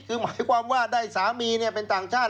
คือหมายความว่าได้สามีเป็นต่างชาติ